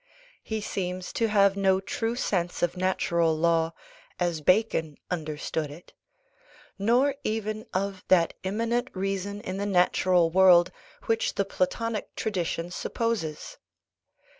He seems to have no true sense of natural law, as Bacon understood it; nor even of that immanent reason in the natural world, which the Platonic tradition supposes.